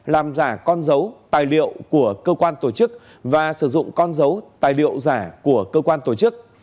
làm giả con dấu tài liệu của cơ quan tổ chức và sử dụng con dấu tài liệu giả của cơ quan tổ chức